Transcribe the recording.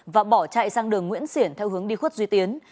và bỏ chạy sang đường nguyễn xiển theo hướng đi khuất duy tiến